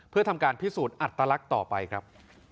เพื่อทำการพิสูจน์อัตลักษณ์ต่อไปครับ